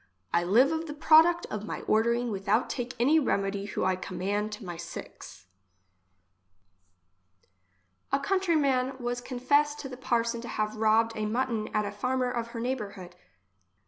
I live of the product of my ordering without take any remedy who I command to my sicks." 56 English as she is spoke. A countryman was confessed to the parson to have robbed a mutton at a farmer of her neighbourhood.